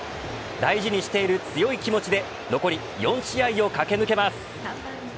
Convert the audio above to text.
大事にしている強い気持ちで残り４試合を駆け抜けます。